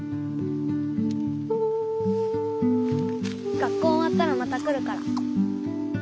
学校おわったらまた来るから。